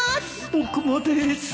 僕もでーす